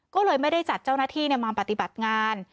ก็เลยไม่ได้จัดเจ้านักยานมาประติบัติงาน